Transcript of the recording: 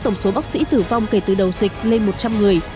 tổng số bác sĩ tử vong kể từ đầu dịch lên một trăm linh người